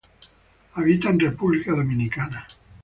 Habita en República Dominicana.